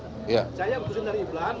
saya berkhusus dari iblam